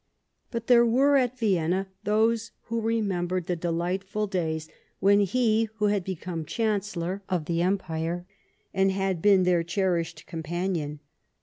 But there were at Vienna those who re membered the delightful days when he who had become Chancellor of the Empire had been their cherished companion.